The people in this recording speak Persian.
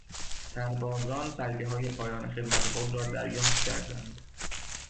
سربازان برگههای پایان خدمت خود را دریافت کردند.